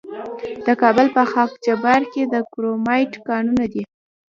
د کابل په خاک جبار کې د کرومایټ کانونه دي.